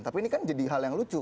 tapi ini kan jadi hal yang lucu